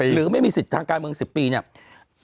หรือไม่มีสิทธิ์ทางการเมือง๑๐ปีเนี่ย